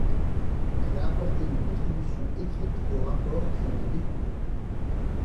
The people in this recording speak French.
Elle a apporté une contribution écrite au rapport qui en a découlé.